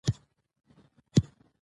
فشار باید پر توري راسي.